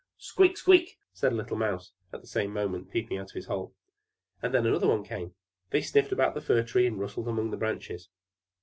"Squeak! Squeak!" said a little Mouse, at the same moment, peeping out of his hole. And then another little one came. They snuffed about the Fir Tree, and rustled among the branches.